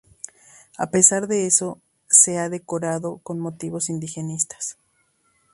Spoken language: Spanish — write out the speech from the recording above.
A pesar de eso, se lo ha decorado con motivos indigenistas.